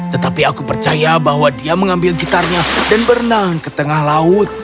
tetapi aku percaya bahwa dia mengambil gitarnya dan berenang ke tengah laut